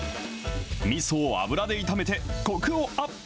みそを油で炒めて、こくをアップ。